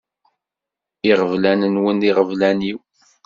Iɣeblan-nwen d iɣeblan-iw.